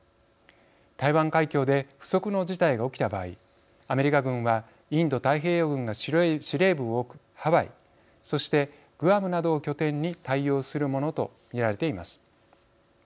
台湾海峡で不測の事態が起きた場合アメリカ軍はインド太平洋軍が司令部を置くハワイそしてグアムなどを拠点に対応するものと見られています。